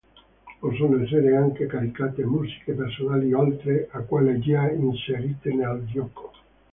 Possono essere anche caricate musiche personali oltre a quelle già inserite nel gioco.